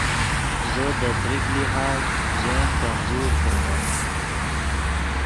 زو دے تریک لحاظ ژے ین کمزور فرمیم